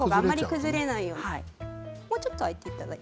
卵があまり崩れないように。